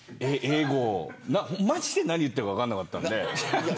まじで何を言っているか分からなかったので。